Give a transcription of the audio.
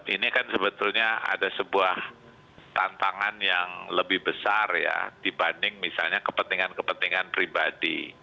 ini kan sebetulnya ada sebuah tantangan yang lebih besar ya dibanding misalnya kepentingan kepentingan pribadi